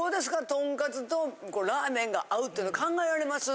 トンカツとラーメンが合うというのは考えられます？